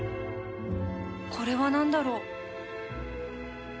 これは何だろう？